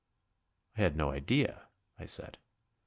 "I had no idea," I said.